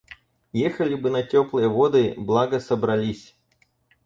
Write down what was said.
Ехали бы на теплые воды, благо собрались.